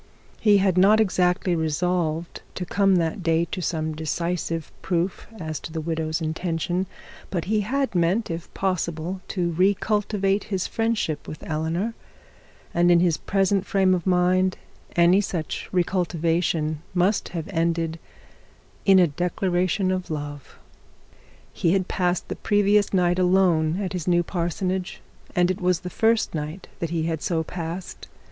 He had not exactly resolved to come that day to some decisive proof as to the widow's intention; but he had meant, if possible, to re cultivate his friendship with Eleanor; and in his present frame of mind any such re cultivation must have ended in a declaration of love. He had passed the previous night alone at his new parsonage, and it was the first night that he had so passed.